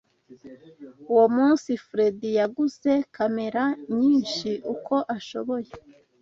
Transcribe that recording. Uwo munsi, Fredy yaguze kamera nyinshi uko ashoboye.